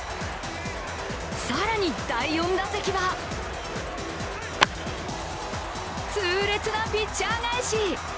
更に第４打席は痛烈なピッチャー返し。